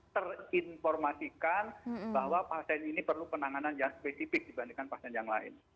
jadi informasikan bahwa pasien ini perlu penanganan yang spesifik dibandingkan pasien yang lain